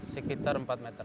sekitar empat meter